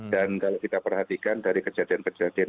kalau kita perhatikan dari kejadian kejadian